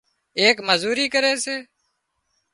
ايڪ مزوري ڪري سي